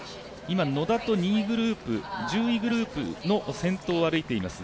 野田と２位グループ１０位グループの先頭を歩いています